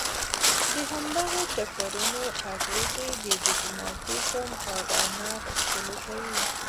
د همدغو ټکرونو اغېزې د دوګماتېزم اډانه غښتلې کوي.